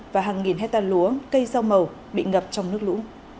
và hàng nghìn hectare lúa cây rau màu bị ngập trong nước lũ